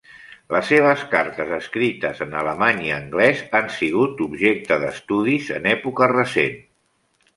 Les seves cartes escrites en alemany i anglès, han sigut objecte d'estudis en època recent.